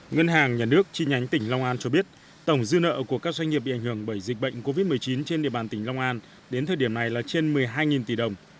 ngân hàng nhà nước chi nhánh tỉnh long an cho biết tổng dư nợ của các doanh nghiệp bị ảnh hưởng bởi dịch bệnh covid một mươi chín trên địa bàn tỉnh long an đến thời điểm này là trên một mươi hai tỷ đồng